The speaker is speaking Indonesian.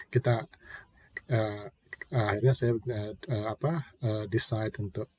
kita akhirnya saya decide untuk